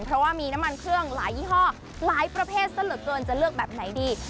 เพราะว่ามีน้ำมันเครื่องหลายยี่ห้อหลายประเภทซะเหลือเกินจะเลือกแบบไหนดี